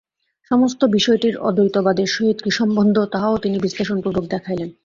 সমস্ত বিষয়টির অদ্বৈতবাদের সহিত কি সম্বন্ধ, তাহাও তিনি বিশ্লেষণপূর্বক দেখাইলেন।